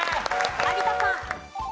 有田さん。